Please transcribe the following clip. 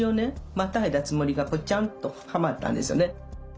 またいだつもりがポチャンとはまったんですよね。